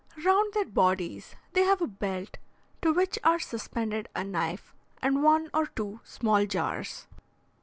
Round their bodies they have a belt, to which are suspended a knife and one or two small jars.